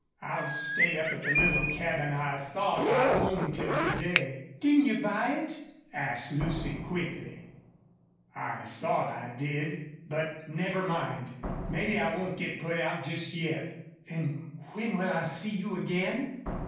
"I'll stay up at the little cabin I thought I owned till to day." "Didn't you buy it?" asked Lucy, quickly. "I thought I did. But ... never mind. Maybe I won't get put out just yet. An' when will I see you again?"